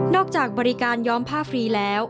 จากบริการย้อมผ้าฟรีแล้ว